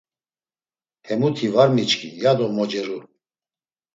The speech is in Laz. Hemuti var miçkin ya do moceru.